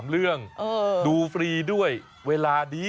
เรื่องดูฟรีด้วยเวลาดี